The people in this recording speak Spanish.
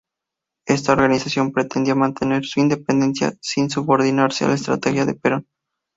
Esta organización pretendía mantener su independencia sin subordinarse a la estrategia de Perón.